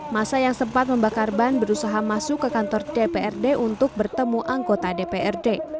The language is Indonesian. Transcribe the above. masa yang sempat membakar ban berusaha masuk ke kantor dprd untuk bertemu anggota dprd